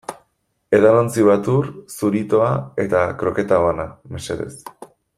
Edalontzi bat ur, zuritoa eta kroketa bana, mesedez.